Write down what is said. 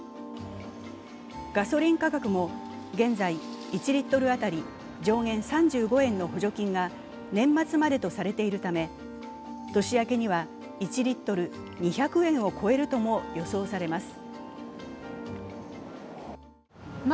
ガソリン価格も現在１リットル当たり上限３５円の補助金が年末までとされているため、年明けには１リットル＝２００円を超えるとも予想されます。